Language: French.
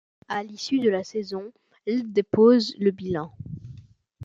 À l'issue de la saison, l' dépose le bilan.